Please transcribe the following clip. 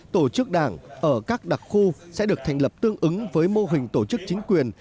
tổ chức đảng ở các đặc khu sẽ được thành lập tương ứng với mô hình tổ chức chính quyền